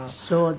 そう。